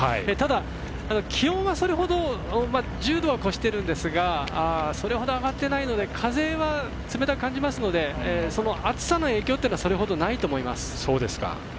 ただ、気温は１０度は超してるんですがそれほど上がってないので風は冷たく感じますので暑さの影響というのはそれほどないと思います。